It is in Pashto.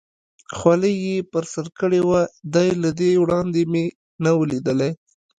خولۍ یې پر سر کړې وه، دی له دې وړاندې مې نه و لیدلی.